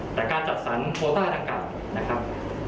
แต่การจัดสรรโคต้าดังกล่าวนะครับ